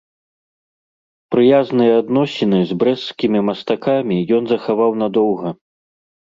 Прыязныя адносіны з брэсцкімі мастакамі ён захаваў надоўга.